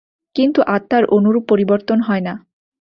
কিন্তু আত্মার অনুরূপ পরিবর্তন হয় না।